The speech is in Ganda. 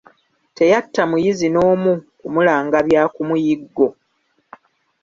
Teyatta muyizzi n'omu kumulanga bya ku muyiggo.